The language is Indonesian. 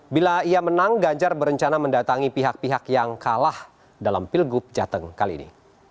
bila ia menang ganjar berencana mendatangi pihak pihak yang kalah dalam pilgub jateng kali ini